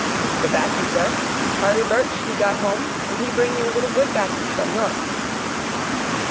"The 'baccy, sir; Harvey Birch, he got home, and he bring you a little good 'baccy from York."